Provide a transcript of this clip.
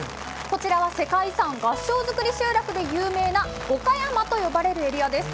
こちらは世界遺産、合掌造り集落で有名な五箇山と呼ばれるエリアです。